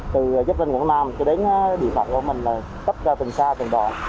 từ dấp lên quảng nam cho đến địa phận của mình là cấp ra từng xa từng đoạn